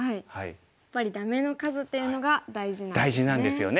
やっぱりダメの数っていうのが大事なんですね。